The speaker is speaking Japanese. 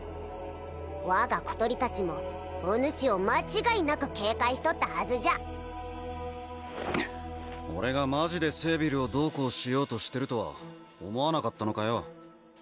我が小鳥達もおぬしを間違いなく警戒しとったはずじゃ俺がマジでセービルをどうこうしようとしてるとは思わなかったのかよ